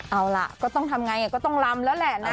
เอาล่ะก็ต้องทำไงก็ต้องลำแล้วแหละนะ